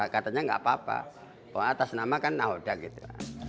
katanya enggak apa apa atas nama kan nakhoda gitu